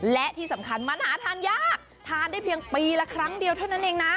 และที่สำคัญมันหาทานยากทานได้เพียงปีละครั้งเดียวเท่านั้นเองนะ